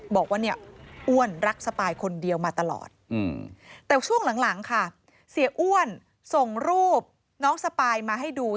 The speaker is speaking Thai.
บอกว่าเนี่ยอ้วนรักสปายคนเดียวมาตลอดแต่ช่วงหลังค่ะเสียอ้วนส่งรูปน้องสปายมาให้ดู